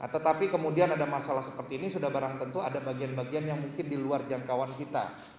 tetapi kemudian ada masalah seperti ini sudah barang tentu ada bagian bagian yang mungkin di luar jangkauan kita